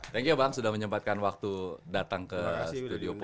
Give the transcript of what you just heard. thank you bang sudah menyempatkan waktu datang ke studio